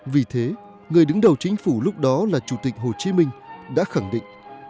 vì thế người đứng đầu chính phủ lúc đó là chủ tịch hồ chí minh đã khẳng định